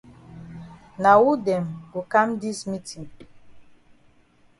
Na wu dem go kam dis meetin?